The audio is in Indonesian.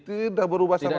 tidak berubah sama sekali